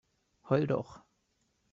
Heul doch!